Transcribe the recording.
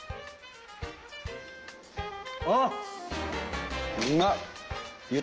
あっ！